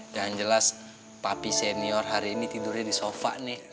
yang jelas papi senior hari ini tidurnya di sofa nih